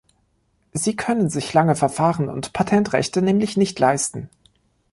Sie können sich lange Verfahren und Patentrechte nämlich nicht leisten.